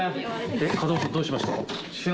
風間さんどうしました？